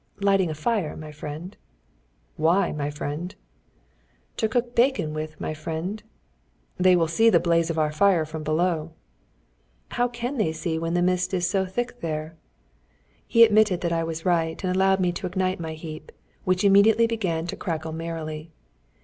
"Lighting a fire, my friend." "Why, my friend?" "To cook bacon with, my friend." "They will see the blaze of our fire from below." "How can they see when the mist is so thick there?" He admitted that I was right, and allowed me to ignite my heap, which immediately began to crackle merrily.